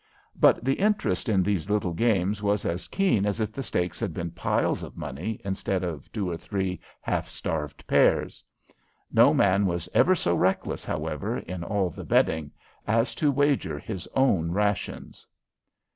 But the interest in these little games was as keen as if the stakes had been piles of money instead of two or three half starved pears. No man was ever so reckless, however, in all the betting, as to wager his own rations.